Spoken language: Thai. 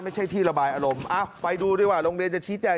ที่ระบายอารมณ์ไปดูดีกว่าโรงเรียนจะชี้แจง